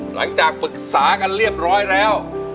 หลังจากปรึกษากันเรียบร้อยแล้ว